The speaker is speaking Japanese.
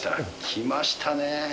きましたね。